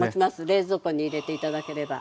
冷蔵庫に入れて頂ければ。